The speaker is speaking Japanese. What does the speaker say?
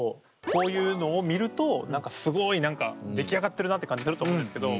こういうのを見ると何かすごい何か出来上がってるなって感じすると思うんですけど